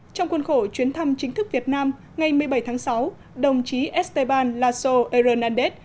trong cuốn khổ chuyến thăm chính thức việt nam ngày một mươi bảy tháng sáu đồng chí esteban lasso hernández